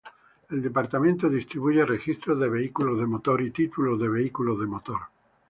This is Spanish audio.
El departamento distribuye registros de vehículos de motor y títulos de vehículos de motor.